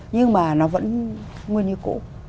nhưng mà nó vẫn nguyên như cũ